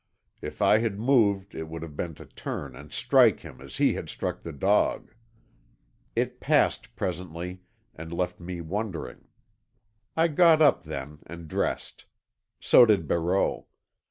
If I had moved it would have been to turn and strike him as he had struck the dog. It passed presently, and left me wondering. I got up then and dressed. So did Barreau.